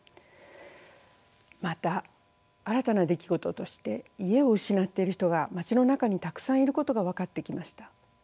また新たな出来事として家を失っている人が町の中にたくさんいることが分かってきました。